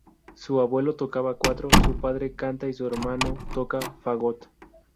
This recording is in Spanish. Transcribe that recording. Su abuelo tocaba cuatro, su padre canta y su hermano toca fagot.